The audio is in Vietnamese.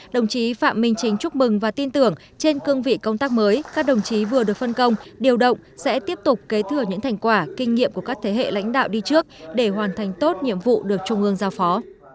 đồng chí phạm minh chính chúc mừng và tin tưởng trên cương vị công tác mới các đồng chí vừa được phân công điều động sẽ tiếp tục kế thừa những thành quả kinh nghiệm của các thế hệ lãnh đạo đi trước để hoàn thành tốt nhiệm vụ được trung ương giao phó